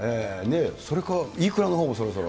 それからいいくらのほうもそろそろ。